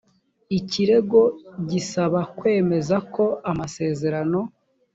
ikirego gisaba kwemeza ko amasezerano